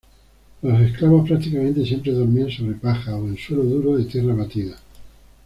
Los esclavos prácticamente siempre dormían sobre paja o en suelo duro de tierra batida.